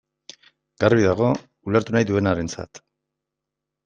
Garbi dago, ulertu nahi duenarentzat.